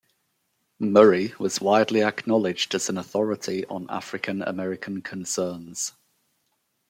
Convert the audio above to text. Murray was widely acknowledged as an authority on African-American concerns.